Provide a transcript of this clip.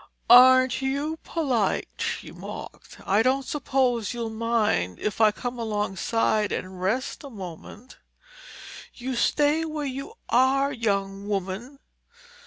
"Aren't you polite!" she mocked. "I don't suppose you'll mind if I come alongside and rest a moment?" "You stay where you are, young woman."